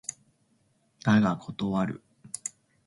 だが断る。